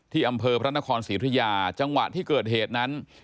อำเภอพระนครศรีธุยาจังหวะที่เกิดเหตุนั้น